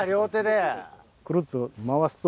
くるっと回すと。